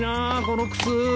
この靴。